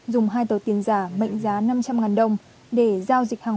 dùng hai tờ tiền giả mệnh giá năm trăm linh đồng để giao dịch hàng